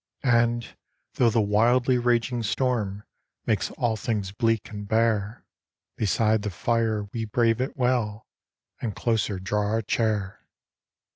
And, though the wildly raging storm Makes all things bleak and bare, Beside the fire we brave it well, And closer draw our chair.